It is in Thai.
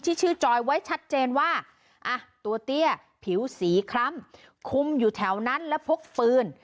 ชื่อจอยไว้ชัดเจนว่าอ่ะตัวเตี้ยผิวสีคล้ำคุมอยู่แถวนั้นแล้วพกปืน